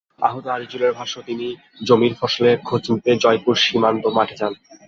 আহত আজিজুলের ভাষ্য, তিনি জমির ফসলের খোঁজ নিতে জয়পুর সীমান্ত মাঠে যান।